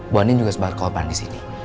bu anin juga sempat keupan disini